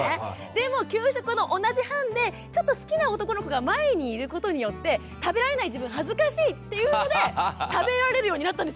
でも給食の同じ班でちょっと好きな男の子が前にいることによって食べられない自分恥ずかしいっていうので食べられるようになったんですよ。